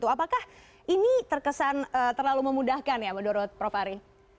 apakah ini terkesan terlalu memudahkan ya menurut prof ari